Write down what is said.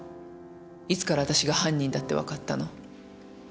いつから私が犯人だってわかったの？